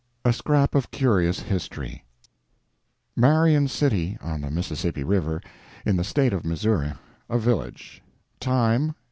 A SCRAP OF CURIOUS HISTORY Marion City, on the Mississippi River, in the State of Missouri—a village; time, 1845.